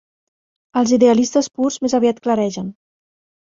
Els idealistes purs més aviat claregen.